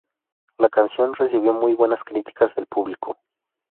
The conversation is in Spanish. La canción recibió muy buenas críticas del público.